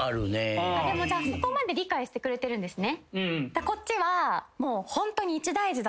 そこまで理解してくれてるんですね。